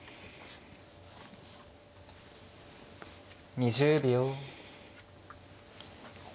２０秒。